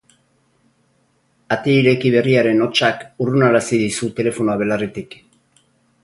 Ate ireki berriaren hotsak urrunarazi dizu telefonoa belarritik.